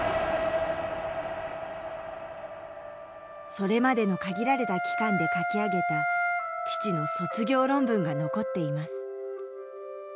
それまでの限られた期間で書き上げた父の卒業論文が残っています